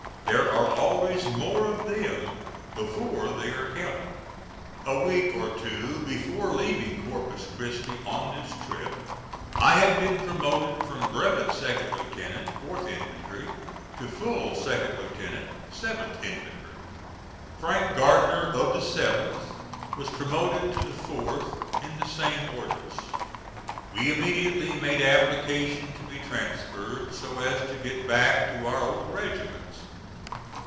There are always more of them before they are counted. A week or two before leaving Corpus Christi on this trip, I had been promoted from brevet second lieutenant, 4th infantry, to full second lieutenant, 7th infantry. Frank Gardner,(*1) of the 7th, was promoted to the 4th in the same orders. We immediately made application to be transferred, so as to get back to our old regiments.